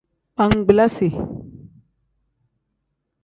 Bangbilasi.